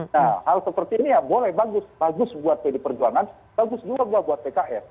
nah hal seperti ini ya boleh bagus bagus buat pdi perjuangan bagus juga buat pks